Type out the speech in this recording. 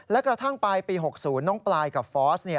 และกระทั่งปลายปี๖๐น้องปลายกับฟอส